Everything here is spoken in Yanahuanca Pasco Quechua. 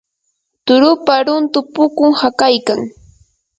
turupa runtu pukun hakaykan.